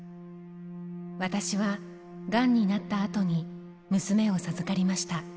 私はがんになったあとに、娘を授かりました。